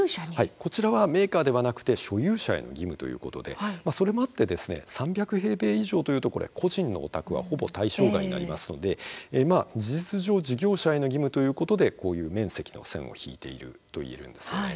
こちらはメーカーではなくて所有者への義務ということでそれもあって、３００平米以上というと個人のお宅はほぼ対象外になりますので事実上、事業者への義務ということで面積の線を引いているんですね。